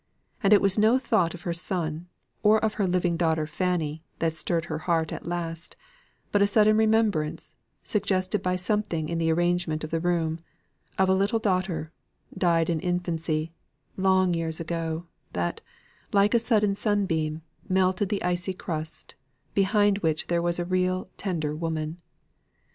And it was no thought of her son, or of her living daughter Fanny, that stirred her heart at last; but a sudden remembrance, suggested by something in the arrangement of the room, of a little daughter dead in infancy long years ago that, like a sudden sunbeam, melted the icy crust, behind which there was a real tender woman.